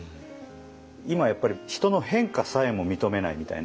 今やっぱり人の変化さえも認めないみたいな。